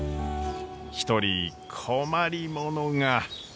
一人困り者が。